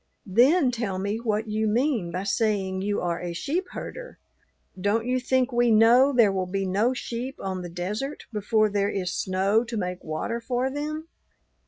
Then tell me what you mean by saying you are a sheep herder; don't you think we know there will be no sheep on the desert before there is snow to make water for them?"